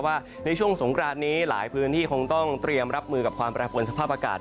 ว่าในช่วงสงครานนี้หลายพื้นที่คงต้องเตรียมรับมือกับความแปรปวนสภาพอากาศ